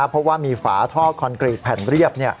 เพราะว่ามีฝาท่อคอนกรีตแผ่นเรียบ